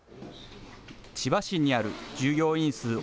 千葉市にある従業員数